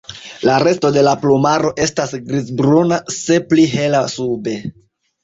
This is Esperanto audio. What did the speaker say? La resto de la plumaro estas grizbruna, se pli hela sube.